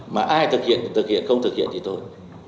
mà ai thực hiện thì thực hiện không thực hiện thì thôi